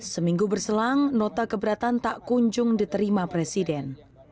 seminggu berselang nota keberatan tak kunjung diterima presiden